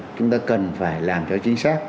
chúng ta cần phải làm cho chính xác